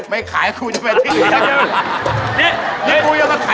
ไม่ขายกูนะแม่ติก